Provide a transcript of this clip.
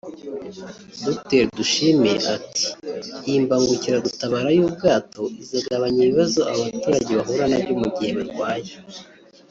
Dr Dushime ati "Iyi mbangukiragutabara y’ubwato izagabanya ibibazo aba baturage bahuraga nabyo mu gihe barwaye